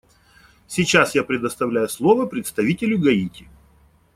Сейчас я предоставляю слово представителю Гаити.